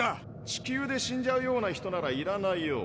地球で死んじゃうような人ならいらないよ。